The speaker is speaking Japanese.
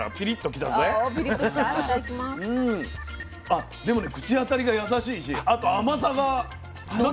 あっでもね口当たりが優しいしあと甘さが。飲める。